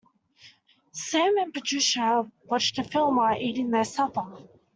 Sam and Patricia watched a film while eating their supper.